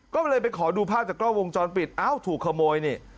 ก็เลยไปขอดูภาพจากกล้องวงจรปิดอ้าวถูกขโมยนี่